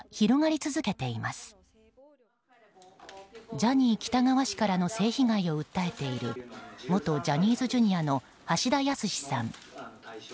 ジャニー喜多川氏からの性被害を訴えている元ジャニーズＪｒ．の橋田康さん。